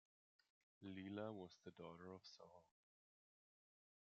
Leela was the daughter of Sole.